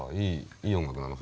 いい音楽なの？